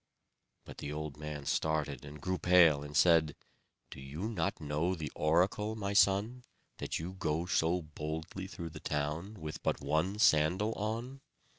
But the old man started, and grew pale, and said, "Do you not know the oracle, my son, that you go so boldly through the town, with but one sandal on?"